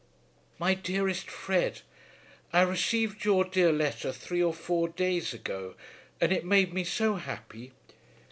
MY DEAREST FRED, I received your dear letter three or four days ago, and it made me so happy.